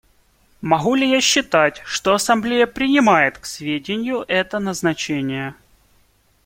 Могу ли я считать, что Ассамблея принимает к сведению это назначение?